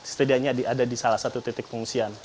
setidaknya ada di salah satu titik pengungsian